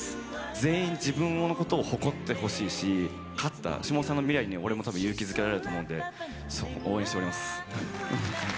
全員自分のことを誇ってほしいし勝った下尾さんの未来に俺も勇気づけられると思うんで応援しております。